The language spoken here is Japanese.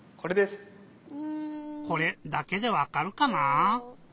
「これ」だけでわかるかな？